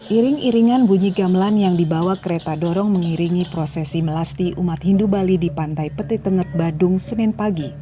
iring iringan bunyi gamelan yang dibawa kereta dorong mengiringi prosesi melasti umat hindu bali di pantai peti tenet badung senin pagi